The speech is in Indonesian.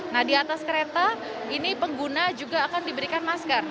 nah di atas kereta ini pengguna juga akan diberikan masker